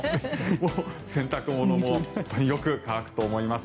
洗濯物も本当によく乾くと思います。